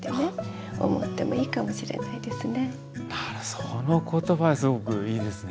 その言葉すごくいいですね。